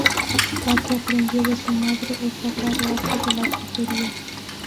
Patty aprendió de su madre el sagrado arte de la brujería.